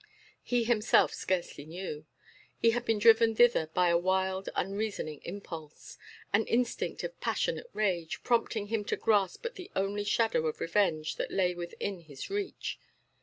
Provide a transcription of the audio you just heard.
He himself scarcely knew. He had been driven thither by a wild, unreasoning impulse, an instinct of passionate rage, prompting him to grasp at the only shadow of revenge that lay within his reach.